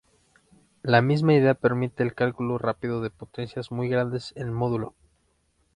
La misma idea permite el cálculo rápido de potencias muy grandes en módulo.